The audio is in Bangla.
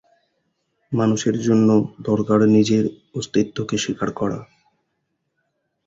মানুষের জন্য দরকার নিজের অস্তিত্বকে স্বীকার করা।